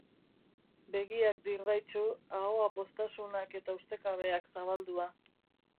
Begiak dirdaitsu, ahoa poztasunak eta ustekabeak zabaldua.